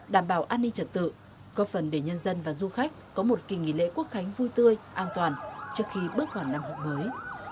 đảm bảo an ninh trật tự có phần để nhân dân và du khách có một kỳ nghỉ lễ quốc khánh vui tươi an toàn trước khi bước vào năm học mới